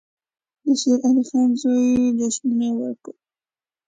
د شېر علي خان زوی جشنونه وکړل.